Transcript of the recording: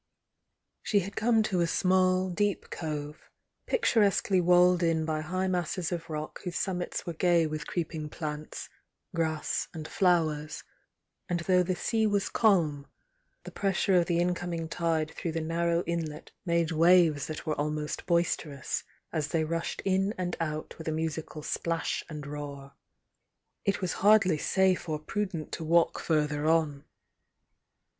She had come to a small, deep cove, picturesquely walled in by high masses of rock whose summit were gay with creeping plants, grass and flowers, and though the sea was calm, the pressure of the incoming tide through the narrow inlet made waves that were almost boisterous, as they rushed in and out with a musical splash and roar. It was hardly safe or prudent to walk further on.